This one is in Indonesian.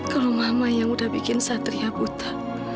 kalau mama yang udah bikin satria buta